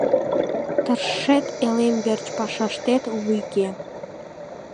Тыршет элем верч пашаштет вуйге.